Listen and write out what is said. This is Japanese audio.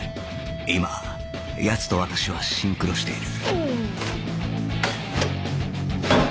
今奴と私はシンクロしている